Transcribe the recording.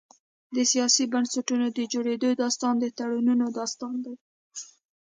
د سیاسي بنسټونو د جوړېدو داستان د تړونونو داستان دی.